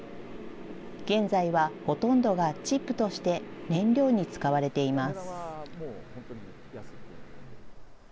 現在はほとんどがチップとして燃料に使われています。